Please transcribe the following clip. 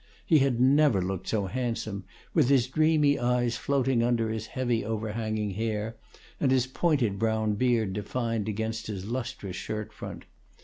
He had never looked so handsome, with his dreamy eyes floating under his heavy overhanging hair, and his pointed brown beard defined against his lustrous shirtfront.